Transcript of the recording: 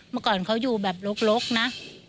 เมื่อก่อนเขาอยู่แบบลกนะ